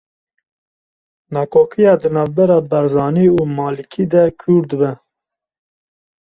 Nakokiya di navbera Barzanî û Malikî de kûr dibe